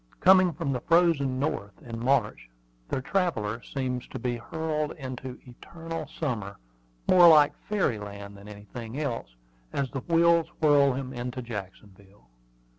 Coming from the frozen North in March, the traveller seems to be hurled into "eternal summer," more like fairy land than anything else, as the wheels whirl him into Jacksonville.